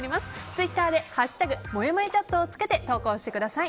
ツイッターで「＃もやもやチャット」をつけて投稿してください。